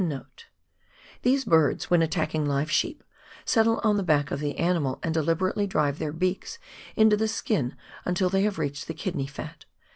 This is evidenced by * These birds, when attacking live sheep, settle on the back of the animal and deliberately drive their beaks into the skin until they have reached the kidney fat.